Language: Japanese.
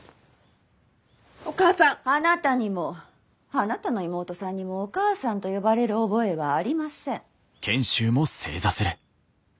あなたにもあなたの妹さんにもお義母さんと呼ばれる覚えはありません。